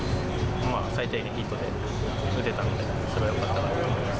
最低限ヒットで打てたので、それはよかったなと思います。